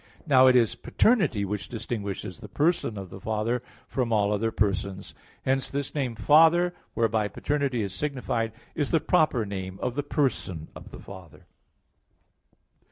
Now it is paternity which distinguishes the person of the Father from all other persons. Hence this name "Father," whereby paternity is signified, is the proper name of the person of the Father.